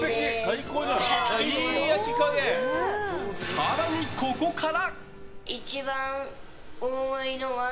更に、ここから。